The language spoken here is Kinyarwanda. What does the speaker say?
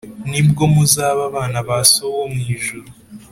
ni bwo muzaba abana ba So wo mu ijuru